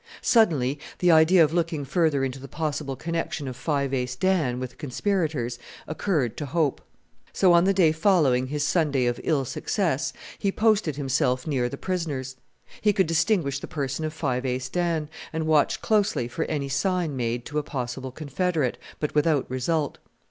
Suddenly the idea of looking further into the possible connection of Five Ace Dan with the conspirators occurred to Hope. So on the day following his Sunday of ill success he posted himself near the prisoners. He could distinguish the person of Five Ace Dan, and watched closely for any sign made to a possible confederate, but without result.